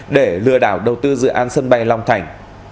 để lừa đảo đầu tư dự án sân bay long thành